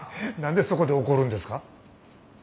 何でそこで怒るんですか？